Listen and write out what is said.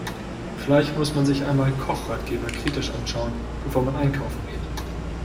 Vielleicht muss man sich einmal Kochratgeber kritisch anschauen, bevor man einkaufen geht.